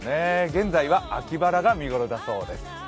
現在は秋バラが見頃だそうです。